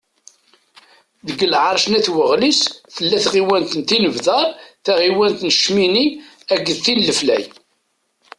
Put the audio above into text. Deg lεerc n At Waɣlis, tella tɣiwant n Tinebdar, taɣiwant n Cmini, akked tin n Leflay.